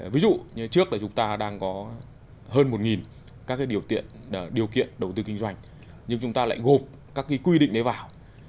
ví dụ như trước là chúng ta đang có hơn một các điều kiện điều kiện đầu tư kinh doanh nhưng chúng ta lại gộp các quy định đấy vào